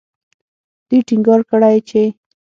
دوی ټینګار کړی چې